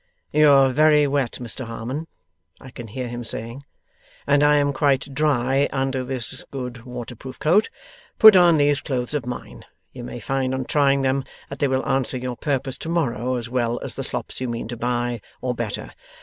"You are very wet, Mr Harmon," I can hear him saying "and I am quite dry under this good waterproof coat. Put on these clothes of mine. You may find on trying them that they will answer your purpose to morrow, as well as the slops you mean to buy, or better.